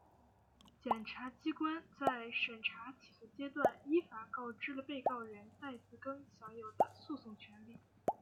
检察机关在审查起诉阶段依法告知了被告人戴自更享有的诉讼权利